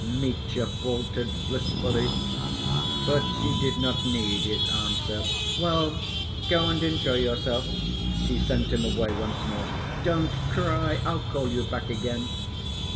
Mitya faltered blissfully. But she did not need his answer. "Well, go and enjoy yourself ..." she sent him away once more. "Don't cry, I'll call you back again."